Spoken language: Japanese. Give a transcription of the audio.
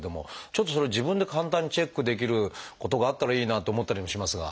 ちょっとそれを自分で簡単にチェックできることがあったらいいなと思ったりもしますが。